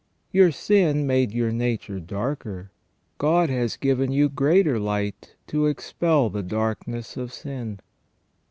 Your sin made your nature darker ; God has given you greater light to expel the darkness of sin.